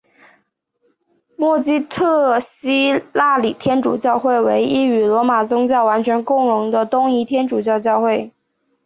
默基特希腊礼天主教会为一与罗马教宗完全共融的东仪天主教教会。